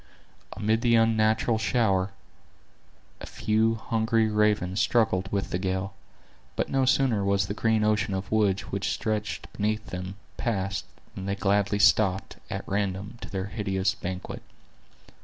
Amid the unnatural shower, a few hungry ravens struggled with the gale; but no sooner was the green ocean of woods which stretched beneath them, passed, than they gladly stopped, at random, to their hideous banquet.